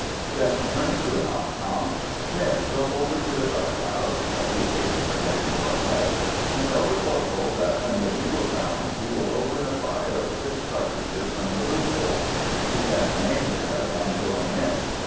Then, turning to a "non com": "Schmidt! go over to the guard house" (a few paces away to our left), "and tell the corporal that when the bugle sounds, he will open a fire of six cartridges from the loopholes. You can remain there and join in."